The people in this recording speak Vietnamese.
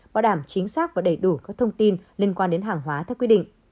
bảo đảm chính xác và đầy đủ các thông tin liên quan đến hàng hóa theo quy định